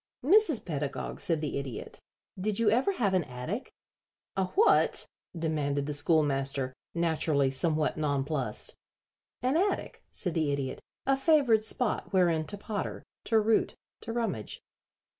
"Mrs. Pedagog," said the Idiot, "did you ever have an attic?" "A what?" demanded the Schoolmaster, naturally somewhat nonplussed. "An attic," said the Idiot. "A favored spot wherein to potter, to root, to rummage."